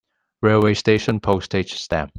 Railway station Postage stamp.